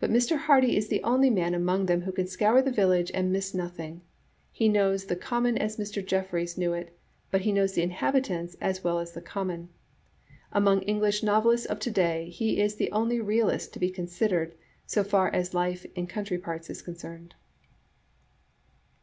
But Mr. Hardy is the only man among them who can scour the village and miss nothing; he knows the common as Mr. Jefferies knew it» but he knows the inhabitants a$ well as tho Digitized by VjOOQ IC common. Among English novelists of to day he is the only realist to be considered, so far as life in country parts is concerned."